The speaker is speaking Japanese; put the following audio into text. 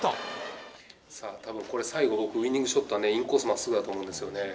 さあ、たぶん、これ最後、ウイニングショットは、インコースまっすぐだと思うんですよね。